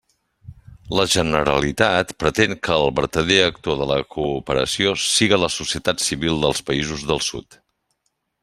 La Generalitat pretén que el vertader actor de la cooperació siga la societat civil dels països del Sud.